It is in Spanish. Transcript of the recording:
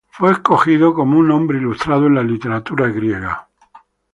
Fue escogido como un hombre ilustrado en la literatura griega.